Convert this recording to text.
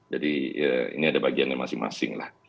jadi ini ada bagiannya masing masing